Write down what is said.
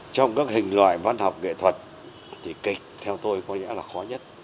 trong các hình loại văn học nghệ thuật thì kịch theo tôi có nghĩa là khó nhất